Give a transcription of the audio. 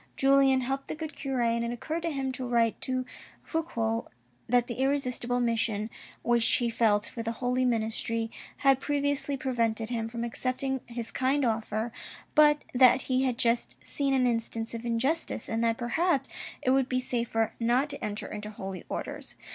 Julien helped the good cure, and it occurred to him to write to Fouque that the irresistible mission which he felt for the holy ministry had previously prevented him from accepting his kind offer, but that he had just seen an instance of injustice, and that perhaps it would be safer not to enter into Holy Orders.